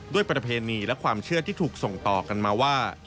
ประเพณีและความเชื่อที่ถูกส่งต่อกันมาว่า